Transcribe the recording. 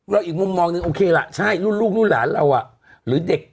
อีกมุมมองหนึ่งโอเคล่ะใช่รุ่นลูกรุ่นหลานเราอ่ะหรือเด็ก